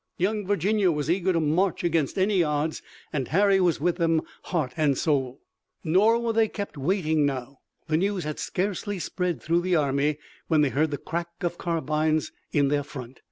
Young Virginia was eager to march against any odds, and Harry was with them, heart and soul. Nor were they kept waiting now. The news had scarcely spread through the army when they heard the crack of carbines in their front.